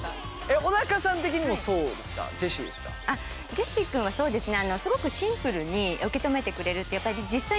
ジェシー君はそうですね